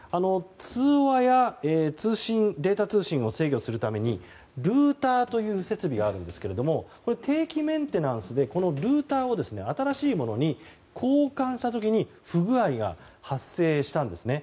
通話やデータ通信を制御するためにルーターという設備があるんですがこれを定期メンテナンスでルーターを新しいものに交換した時に不具合が発生したんですね。